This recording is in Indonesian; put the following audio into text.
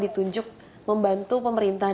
ditunjuk membantu pemerintah